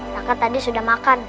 raka tadi sudah makan